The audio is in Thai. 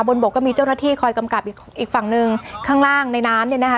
บกก็มีเจ้าหน้าที่คอยกำกับอีกอีกฝั่งหนึ่งข้างล่างในน้ำเนี่ยนะคะ